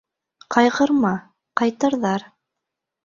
Ҡайғырма, ҡайтырҙар.